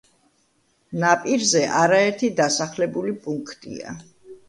ნაპირზე არაერთი დასახლებული პუნქტია.